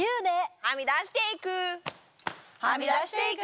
はみ出していく。